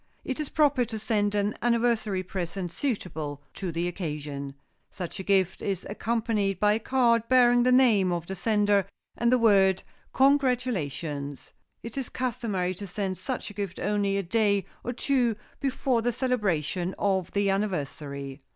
It is proper to send an anniversary present suitable to the occasion. Such a gift is accompanied by a card bearing the name of the sender, and the word "Congratulations." It is customary to send such a gift only a day or two before the celebration of the anniversary.